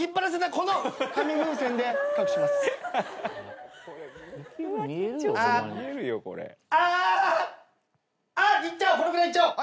このくらいいっちゃおう！